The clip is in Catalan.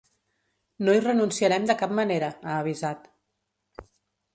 No hi renunciarem de cap manera, ha avisat.